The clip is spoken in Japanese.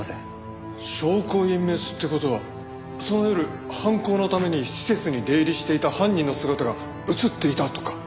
証拠隠滅って事はその夜犯行のために施設に出入りしていた犯人の姿が映っていたとか？